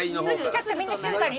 ちょっとみんな静かに。